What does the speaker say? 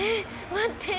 待って！